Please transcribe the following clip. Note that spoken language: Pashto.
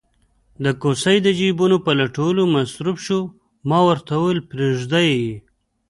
د کوسۍ د جېبونو په لټولو مصروف شو، ما ورته وویل: پرېږده یې.